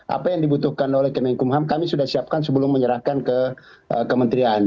apa yang dibutuhkan oleh kemenkumham kami sudah siapkan sebelum menyerahkan ke kementerian